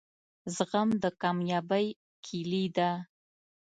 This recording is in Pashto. زغم دکامیابۍ کیلي ده